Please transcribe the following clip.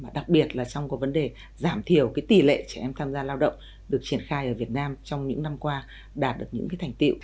đặc biệt là trong vấn đề giảm thiểu tỷ lệ trẻ em tham gia lao động được triển khai ở việt nam trong những năm qua đạt được những thành tiệu